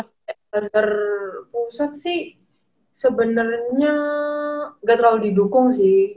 al azhar pusat sih sebenarnya gak terlalu didukung sih